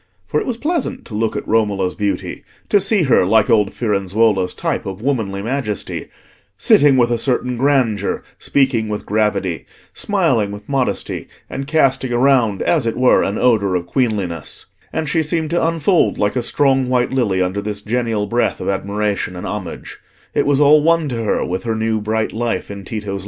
For it was pleasant to look at Romola's beauty; to see her, like old Firenzuola's type of womanly majesty, "sitting with a certain grandeur, speaking with gravity, smiling with modesty, and casting around, as it were, an odour of queenliness;" and she seemed to unfold like a strong white lily under this genial breath of admiration and homage; it was all one to her with her new bright life in Tito's love.